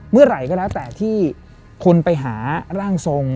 เมื่อไหร่ก็แล้วแต่ที่คุณไปหาร่างทรง